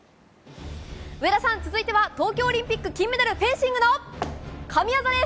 上田さん、続いては東京オリンピックで金メダルフェンシングの神技です。